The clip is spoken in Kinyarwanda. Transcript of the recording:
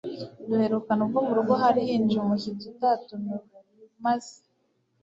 Duherukana ubwo murugo hari hinjiye umushyitsi utatumiwe maze